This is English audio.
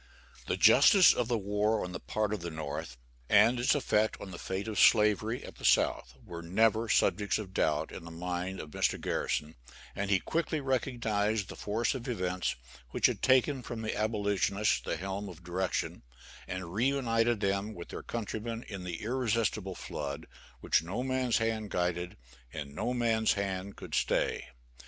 The justice of the war on the part of the North, and its effect on the fate of Slavery at the South, were never subjects of doubt in the mind of Mr. Garrison, and he quickly recognized the force of events which had taken from the abolitionists the helm of direction, and reunited them with their countrymen in the irresistible flood which no man's hand guided, and no man's hand could stay.